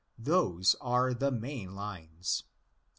'* Those are the main lines."